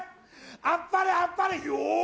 あっぱれあっぱれよーっ！